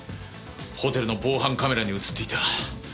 ホテルの防犯カメラに映っていた。